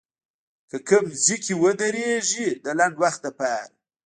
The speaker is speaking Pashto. که کوم ځای کې ودرېږي د لنډ وخت لپاره